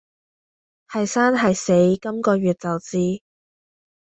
係生係死今個月就知